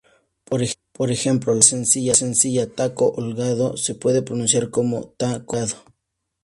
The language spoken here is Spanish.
Por ejemplo, la frase sencilla "Taco Holgado" se puede pronunciar como Ta co-holgado.